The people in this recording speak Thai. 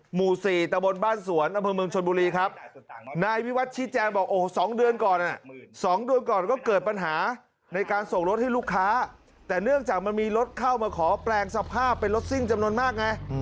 หมู่๔ตะบนบ้านสวนอำเภอเมืองชนบุรีครับนายวิวัตรชี้แจงบอกโอ้โห๒เดือนก่อน๒เดือนก่อนก็เกิดปัญหาในการส่งรถให้ลูกค้าแต่เนื่องจากมันมีรถเข้ามาขอแปลงสภาพเป็นรถซิ่งจำนวนมากไง